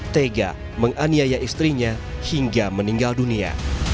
tega menganiaya istrinya hingga meninggal dunia